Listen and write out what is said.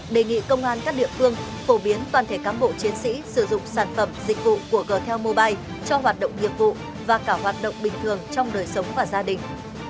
đề nghị công an các địa phương phổ biến toàn thể cán bộ chiến sĩ sử dụng sản phẩm dịch vụ của g tel mobile cho hoạt động nghiệp vụ và cả hoạt động bình thường trong đời sống và gia đình